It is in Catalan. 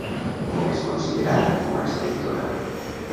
Com és considerada com a escriptora?